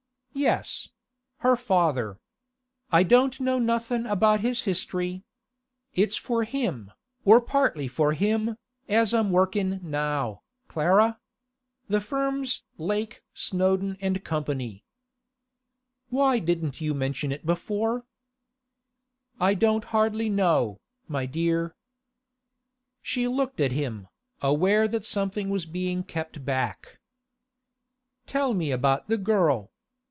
'Yes; her father. I don't know nothing about his history. It's for him, or partly for him, as I'm workin' now, Clara. The firm's Lake, Snowdon & Co.' 'Why didn't you mention it before?' 'I don't hardly know, my dear.' She looked at him, aware that something was being kept back. 'Tell me about the girl.